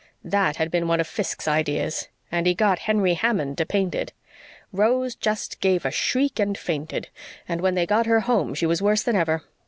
That had been one of Fiske's ideas, and he had got Henry Hammond to paint it. Rose just gave a shriek and fainted; and when they got her home she was worse than ever.